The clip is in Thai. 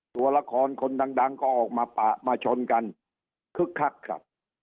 ตัวละครคนดังก็ออกมาปะมาชนกันคึกคักครับ